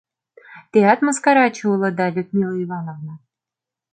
— Теат мыскараче улыда, Людмила Ивановна!